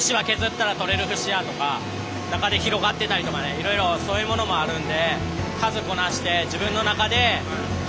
いろいろそういうものもあるんで。